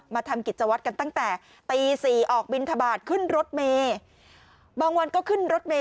ทำกิจวัตรกันตั้งแต่ตีสี่ออกบินทบาทขึ้นรถเมย์บางวันก็ขึ้นรถเมย